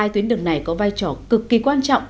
hai tuyến đường này có vai trò cực kỳ quan trọng